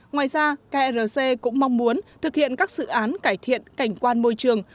ngoài ra krc cũng mong muốn thực hiện các dự án cải thiện cảnh quan môi trường